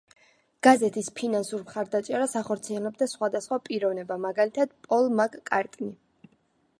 გაზეთის ფინანსურ მხარდაჭერას ახორციელებდა სხვადასხვა პიროვნება, მაგალითად, პოლ მაკ-კარტნი.